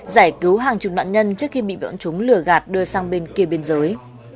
giải cứu hàng chục nạn nhân trước khi bị bọn chúng lừa gạt đưa sang bên kia biên giới